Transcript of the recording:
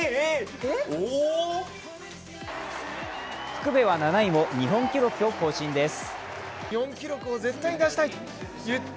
福部は７位も日本記録を更新です。